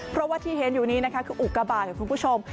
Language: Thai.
เพราะว่าที่เห็นอยู่นี้นะคะคืออุกบาทค่ะคุณผู้ชม